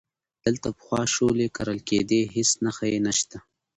دلته پخوا شولې کرلې کېدې، هیڅ نښه یې نشته،